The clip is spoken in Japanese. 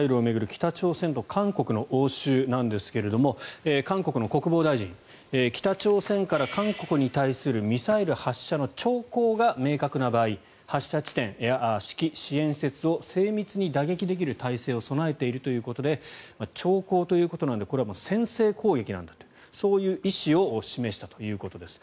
北朝鮮と韓国の応酬ですが韓国の国防大臣北朝鮮から韓国に対するミサイル発射の兆候が明確な場合発射地点や指揮・支援施設を精密に打撃できる体制を備えているということで兆候ということなのでこれは先制攻撃なんだとそういう意思を示したということです。